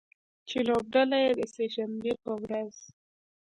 چې لوبډله یې د سې شنبې په ورځ